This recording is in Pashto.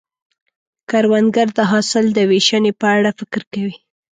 کروندګر د حاصل د ویشنې په اړه فکر کوي